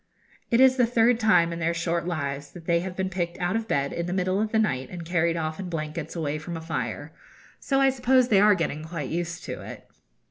It is the third time in their short lives that they have been picked out of bed in the middle of the night and carried off in blankets away from a fire, so I suppose they are getting quite used to it.